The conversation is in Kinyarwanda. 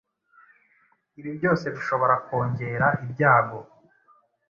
ibi byose bishobora kongera ibyago